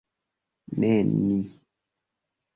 Ne ni.